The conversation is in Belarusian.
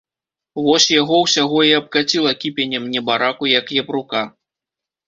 Вось яго ўсяго і абкаціла кіпенем, небараку, як япрука.